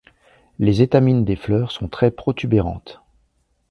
Les étamines des fleurs sont très protubérantes.